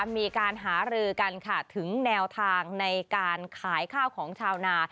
มีการหารือกันค่ะถึงแนวทางในการขายข้าวของชาวนา